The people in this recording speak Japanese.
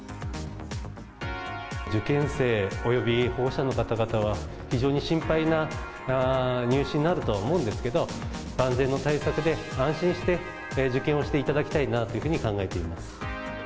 受験生および保護者の方々は、非常に心配な入試になるとは思うんですけど、万全の対策で安心して受験をしていただきたいなというふうに考えています。